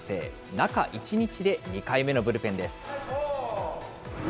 中１日で２回目のブルペンです。